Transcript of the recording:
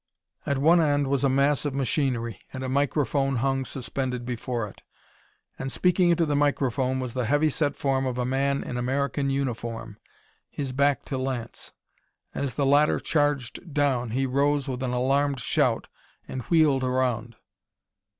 At one end was a mass of machinery, and a microphone hung suspended before it. And speaking into the microphone was the heavy set form of a man in American uniform, his back to Lance. As the latter charged down, he rose with an alarmed shout, and wheeled around.